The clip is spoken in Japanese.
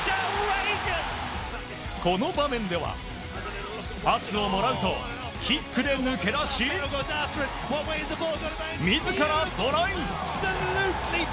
この場面ではパスをもらうとキックで抜け出し自らトライ！